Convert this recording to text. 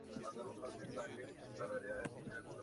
Verne Gay de "Newsday" además le dio una D al espectáculo.